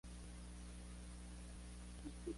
Otro soporte menos usado es la tela o tejido.